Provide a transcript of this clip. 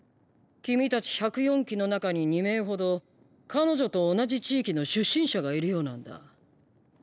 君たち１０４期の中に２名ほど彼女と同じ地域の出身者がいるようなんだ。